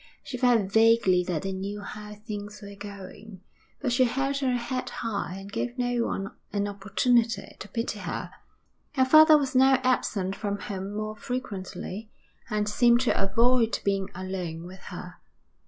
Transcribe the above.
She felt vaguely that they knew how things were going, but she held her head high and gave no one an opportunity to pity her. Her father was now absent from home more frequently and seemed to avoid being alone with her.